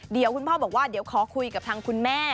เดี๋ยวคุณพ่อบอกว่าเดี๋ยวขอคุยกับทางคุณแม่